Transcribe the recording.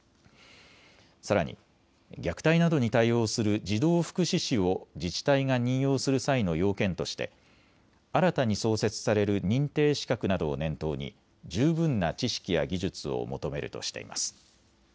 さらに虐待などに対応する児童福祉司を自治体が任用する際の要件として新たに創設される認定資格などを念頭に十分な知識や技術を求めるとしています。